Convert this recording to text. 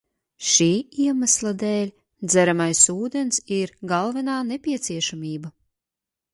Šī iemesla dēļ dzeramais ūdens ir galvenā nepieciešamība.